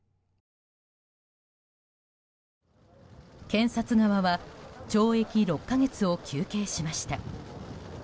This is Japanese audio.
検察側は懲役６か月を求刑しました。